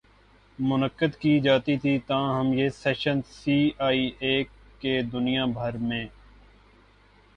منعقد کی جاتی تھیں تاہم یہ سیشنز سی آئی اے کی دنیا بھر می